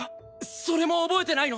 それも覚えてないの？